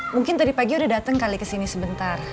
mungkin tadi pagi udah datang kali kesini sebentar